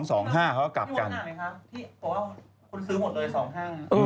พี่มองอ่ะไหมคะพี่บอกว่าคุณซื้อหมดเลย๒๕